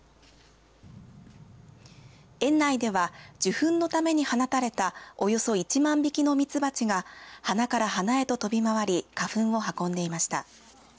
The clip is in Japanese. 園内では受粉のために放たれたおよそ１万匹のミツバチが花から花へと飛び回り花粉を運んでいました。